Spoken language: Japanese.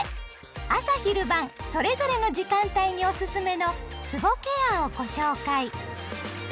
朝・昼・晩それぞれの時間帯におすすめのつぼケアをご紹介。